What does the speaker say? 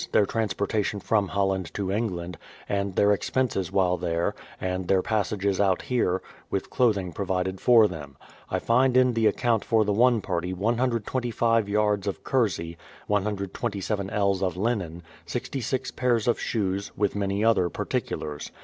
their trans portation from Holland to England, and their expenses while there, and their passages out here, with clothing pro vided for them. I find in the account for the one party 125 yards of kersey, 127 ells of linen, 66 pairs of shoes, with many other particulars.